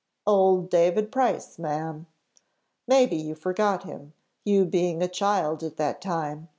"Old David Price, ma'am. Maybe you forget him, you being a child at that time.